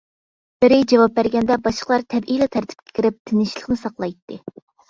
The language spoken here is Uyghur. بىرى جاۋاب بەرگەندە باشقىلار تەبىئىيلا تەرتىپكە كىرىپ تىنچلىقنى ساقلايتتى.